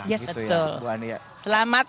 ya betul selamat